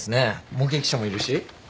目撃者もいるし。